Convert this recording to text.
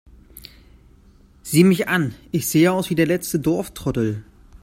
Sieh mich an, ich sehe aus wie der letzte Dorftrottel!